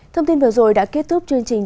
thông tin vừa rồi đã kết thúc chương trình